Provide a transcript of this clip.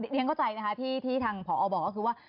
เรียนเข้าใจนะคะที่ทางผอบอกก็คือว่า